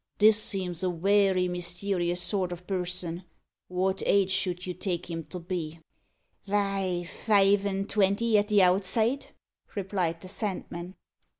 "This seems a werry mysterious sort o' person. Wot age should you take him to be?" "Vy, five an' twenty at the outside," replied the Sandman.